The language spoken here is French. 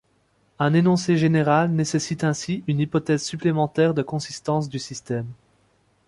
Un énoncé général nécessite ainsi une hypothèse supplémentaire de consistance du système.